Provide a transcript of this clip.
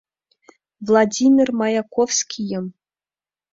Владимир Маяковскийым.